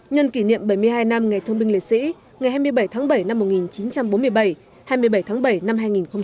nhân kỷ niệm bảy mươi hai năm ngày thương binh liệt sĩ ngày hai mươi bảy tháng bảy năm một nghìn chín trăm bốn mươi bảy hai mươi bảy tháng bảy năm hai nghìn một mươi chín